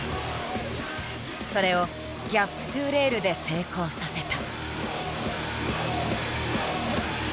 それを「ギャップｔｏレール」で成功させた。